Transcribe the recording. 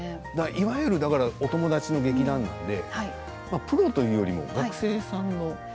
いわゆるお友達の劇団なので、プロというよりも学生さん。